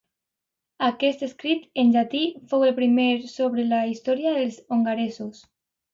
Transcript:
Aquest escrit, en llatí, fou el primer sobre la història dels hongaresos.